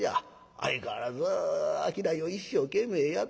相変わらず商いを一生懸命やってなはる。